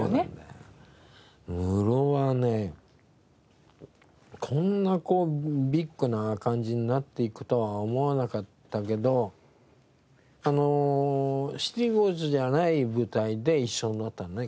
ムロはねこんなビッグな感じになっていくとは思わなかったけどシティボーイズじゃない舞台で一緒になったのね。